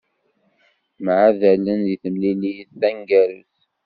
Mεadalen di temlilit taneggarut.